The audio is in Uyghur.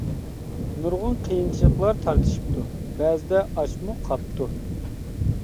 نۇرغۇن قىيىنچىلىقلار تارتىشىپتۇ، بەزىدە ئاچمۇ قاپتۇ.